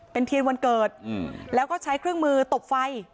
เป็นเทียนวันเกิดแล้วก็ใช้เครื่องมือตบไฟ